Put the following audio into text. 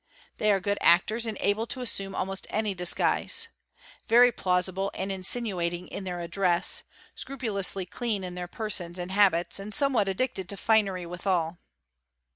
They are good actors, and able to assume almost any — disguise; very plausible and insinuating in their address, scrupulously clean in their persons and habits, and somewhat addicted to finery withal.